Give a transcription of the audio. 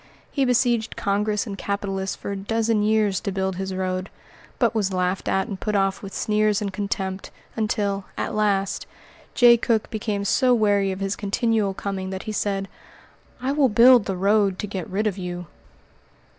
He besieged Congress and capitalists for a dozen years to build this road, but was laughed at and put off with sneers and contempt, until, at last, Jay Cooke became so weary of his continual coming that he said: "I will build the road to get rid of you."